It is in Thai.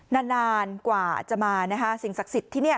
นานกว่าจะมานะคะสิ่งศักดิ์สิทธิ์ที่นี่